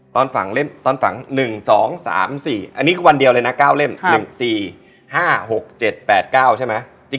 ตอนฝังเล่มตอนฝัง๑๒๓๔อันนี้คือวันเดียวเลยนะ๙เล่ม๑๔๕๖๗๘๙ใช่ไหม